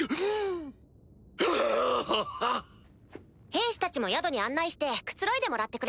兵士たちも宿に案内してくつろいでもらってくれ。